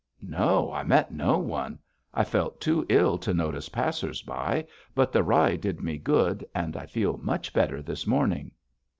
'No! I met no one. I felt too ill to notice passers by, but the ride did me good, and I feel much better this morning.'